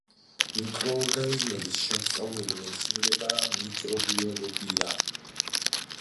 მიკროორგანიზმების შემსწავლელი მეცნიერებაა მიკრობიოლოგია.